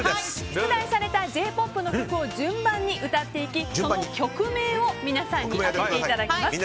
出題されたＪ‐ＰＯＰの曲を順番に歌っていきその曲名を皆さんに当てていただきます。